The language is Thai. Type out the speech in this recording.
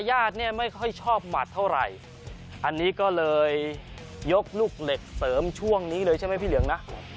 อันนี้ก็เลยยกลูกเหล็กเสริมช่วงนี้เลยใช่ไหมพี่เหลืองนะ